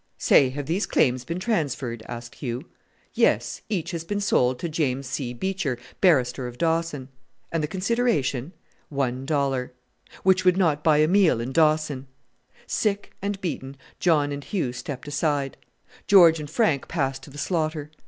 "Say! have these claims been transferred?" asked Hugh. "Yes, each has been sold to James C. Beecher, barrister, of Dawson." "And the consideration?" "One dollar." "Which would not buy a meal in Dawson!" Sick and beaten, John and Hugh stepped aside; George and Frank passed to the slaughter.